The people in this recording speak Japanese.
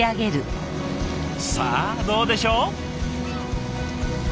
さあどうでしょう？